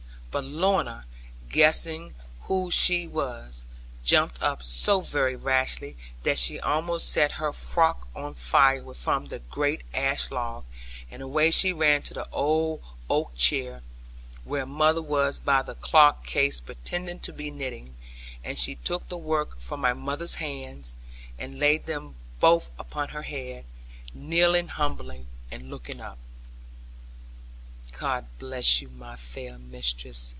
But Lorna, guessing who she was, jumped up so very rashly that she almost set her frock on fire from the great ash log; and away she ran to the old oak chair, where mother was by the clock case pretending to be knitting, and she took the work from mother's hands, and laid them both upon her head, kneeling humbly, and looking up. 'God bless you, my fair mistress!'